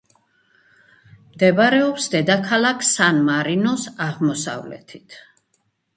მდებარეობს დედაქალაქ სან-მარინოს აღმოსავლეთით.